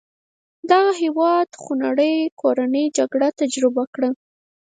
دغه هېواد خونړۍ کورنۍ جګړه تجربه کړه.